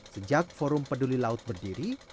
sejak forum peduli laut berdiri